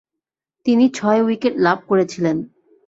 তিনি ছয় উইকেট লাভ করেছিলেন।